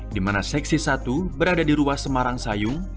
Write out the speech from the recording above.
di mana seksi satu berada di ruas semarang sayung